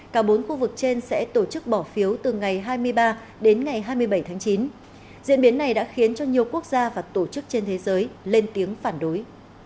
cả bốn khu vực trên sẽ tổ chức bỏ phiếu từ ngày hai mươi ba đến ngày hai mươi bảy tháng chín diễn biến này đã khiến cho nhiều quốc gia và tổ chức trên thế giới lên tiếng phản đối